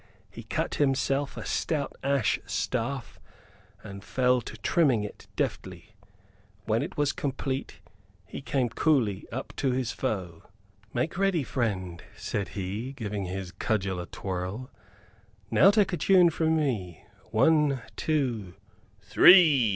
He cut himself a stout ash staff and fell to trimming it deftly. When it was complete he came coolly up to his foe. "Make ready, friend," said he, giving his cudgel a twirl. "Now take tune from me. One, two " "Three!"